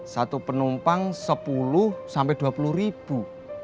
satu penumpang sepuluh sampai dua puluh ribu